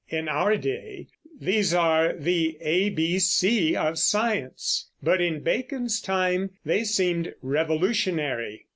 In our day these are the A, B, C of science, but in Bacon's time they seemed revolutionary.